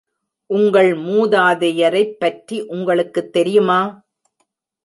உங்கள் மூதாதையரைப் பற்றி உங்களுக்குத் தெரியுமா?